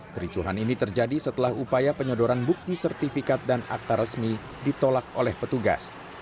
kericuhan ini terjadi setelah upaya penyodoran bukti sertifikat dan akta resmi ditolak oleh petugas